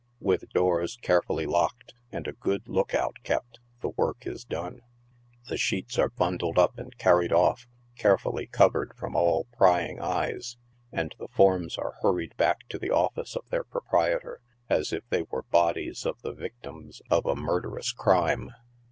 With doors care fully locked and a good look out kept, the work is done. The sheets are bundled up and carried off, carefully covered from all prying eyes, and the forms are hurried back to the office of their proprietor as if they were bodies of the victims of a murderous crime.